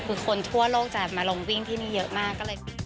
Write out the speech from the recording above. คือคนทั่วโลกจะมาลงวิ่งที่นี่เยอะมากก็เลย